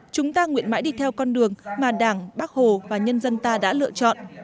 chúng ta nguyện mãi đi theo con đường mà đảng bác hồ và nhân dân ta đã lựa chọn